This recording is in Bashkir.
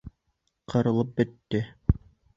Ҡырылып бөттө.